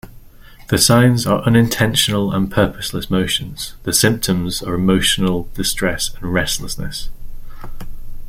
The signs are unintentional and purposeless motions; the symptoms are emotional distress and restlessness.